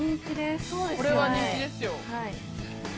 これは人気ですよ。